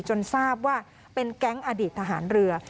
ทราบว่าเป็นแก๊งอดีตทหารเรือ